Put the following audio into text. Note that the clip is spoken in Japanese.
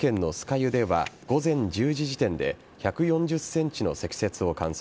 湯では午前１０時時点で１４０ｃｍの積雪を観測。